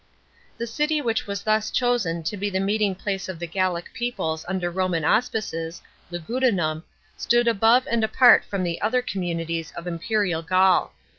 The city which was thus chosen to be the meeting place of the Gallic peoples under Roman auspices, Lugudunum, stood above and apart from the other communities of imperial Gaul.